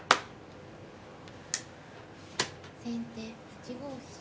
先手８五飛車。